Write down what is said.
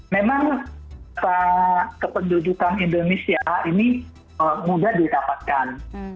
memang kependudukan indonesia ini mudah didapatkan